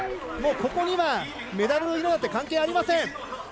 もう、ここにはメダルの色なんて関係ありません。